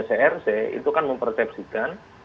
crc itu kan mempersepsikan